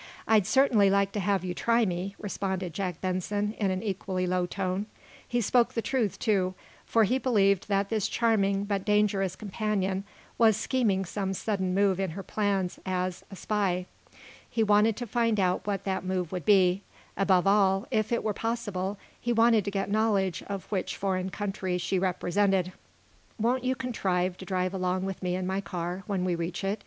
"I'd certainly like to have you try me," responded Jack Benson, in an equally low tone. He spoke the truth, too, for he believed that this charming but dangerous companion was scheming some sudden move in her plans as, a spy. He wanted to find out what that move would be. Above all, if it were possible, he wanted to get knowledge of which foreign country she represented. "Won't you contrive to drive alone with me in my car, when we reach it?"